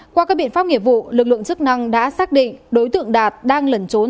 qua các biện pháp nghiệp vụ lực lượng chức năng đã xác định đối tượng đạt đang lẩn trốn